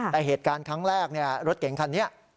แต่เหตุการณ์ครั้งแรกรถเก่งคันนี้